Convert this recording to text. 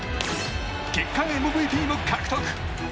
月間ＭＶＰも獲得。